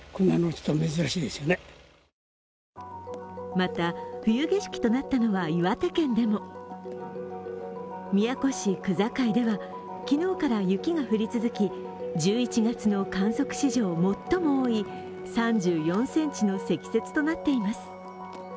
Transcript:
また、冬景色となったのは岩手県でも宮古市区界では昨日から雪が降り続き１１月の観測史上最も多い３４ｃｍの積雪となっています。